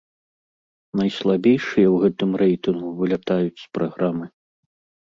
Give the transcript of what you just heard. Найслабейшыя ў гэтым рэйтынгу вылятаюць з праграмы.